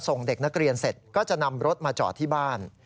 ส่งเด็กนักเรียนเสร็จก็จะนำรถมาจอดที่บ้าน